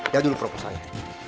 dari dulu proposalnya